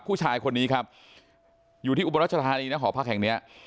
ผู้ชายคนนี้ครับอยู่ที่อุบลรัชธานีนะหอพักแห่งเนี้ย